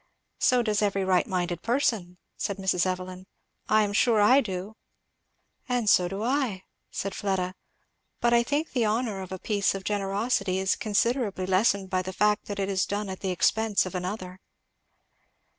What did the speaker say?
"So does every right minded person," said Mrs. Evelyn; "I am sure I do." "And I am sure so do I," said Fleda; "but I think the honour of a piece of generosity is considerably lessened by the fact that it is done at the expense of another."